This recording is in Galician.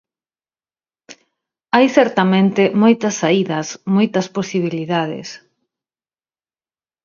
Hai certamente moitas saídas, moitas posibilidades.